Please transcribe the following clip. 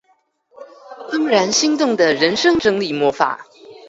怦然心動的人生整理魔法